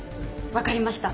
分かりました。